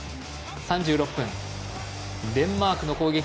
３６分、デンマークの攻撃。